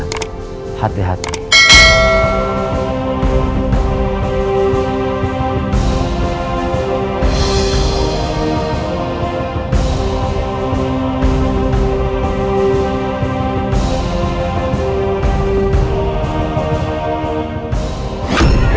hidup raden walang susah